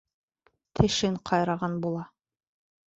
Тешен ҡайраған була...